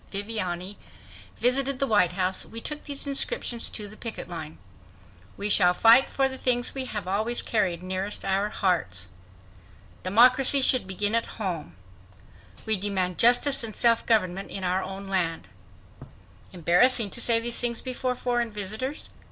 Viviani, visited the White House, we took these inscriptions to the picket line: WE SHALL FIGHT FOR THE THINGS WE HAVE ALWAYS CARRIED NEAREST OUR HEARTS DEMOCRACY SHOULD BEGIN AT HOME WE DEMAND JUSTICE AND SELF GOVERNMENT IN OUR OWN LAND Embarrassing to say these things before foreign visitors?